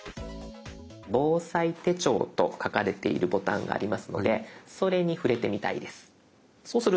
防災手帳と書かれているボタンがありますのでそれに触れてみたいです。